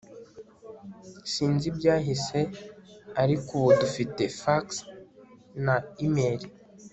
sinzi ibyahise, ariko ubu dufite fax na imeri